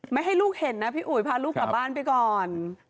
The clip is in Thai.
ไม่ให้ลูกเห็นนะพี่อุ๋ยพาลูกกลับบ้านไปก่อน